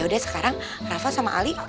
yaudah sekarang rafa sama ali